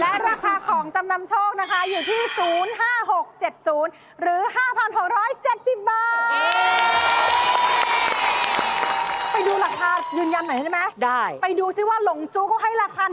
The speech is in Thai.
ไปดูสิว่าหลงจู๊กเขาให้ราคานี้จริงหรือเปล่า